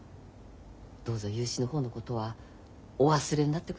どうぞ融資の方のことはお忘れになってくださいまし。